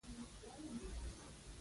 هره مسره یې له خپلو اوښکو سره بدرګه وي.